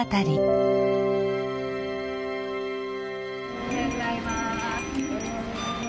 おはようございます。